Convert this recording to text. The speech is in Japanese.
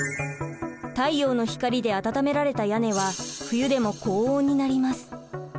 太陽の光で温められた屋根は冬でも高温になります。